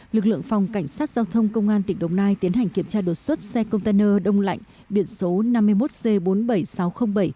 lực lượng phòng cảnh sát giao thông công an tỉnh đồng nai tiến hành kiểm tra đột xuất xe container đông lạnh biển số năm mươi một c bốn mươi bảy nghìn sáu trăm linh bảy